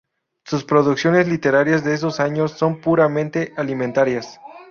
Sus producciones literarias de esos años son puramente alimentarias.